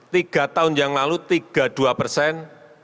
tiga tahun yang lalu tiga puluh dua persen